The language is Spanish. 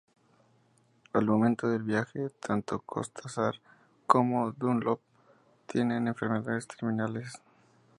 Al momento del viaje, tanto Cortázar como Dunlop tienen enfermedades terminales.